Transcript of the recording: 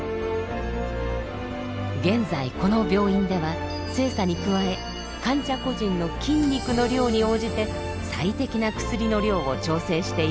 現在この病院では性差に加え患者個人の筋肉の量に応じて最適な薬の量を調整しています。